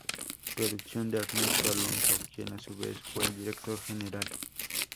Producción de Ernesto Alonso, quien a su vez fue el director general.